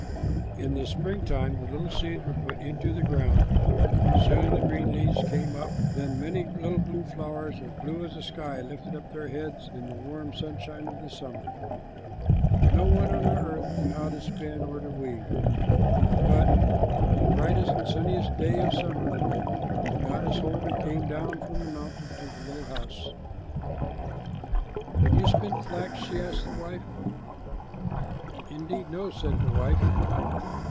'" In the spring the little seeds were put into the ground. Soon the green leaves came up; then many little blue flowers, as blue as the sky, lifted up their heads in the warm sunshine of summer. No one on the earth knew how to spin or to weave, but on the brightest, sunniest day of the summer, the goddess Holda came down from the mountain to the little house. [Illustration: "SHE GAVE ME THE FLOWER"] "Can you spin flax?" she asked of the wife. "Indeed, no," said the wife.